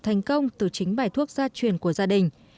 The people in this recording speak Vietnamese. thành công từ chính bài thuốc gia truyền của gia đình